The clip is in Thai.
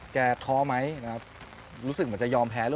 คุณต้องเป็นผู้งาน